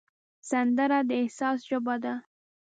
سندره د احساس ژبه ده